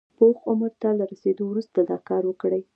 پوخ عمر ته له رسېدو وروسته دا کار وکړي.